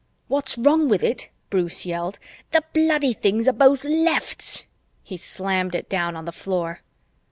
"What's wrong with it?" Bruce yelled. "The bloody things are both lefts!" He slammed it down on the floor.